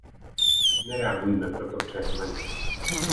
Nereagujme proto přehnaně.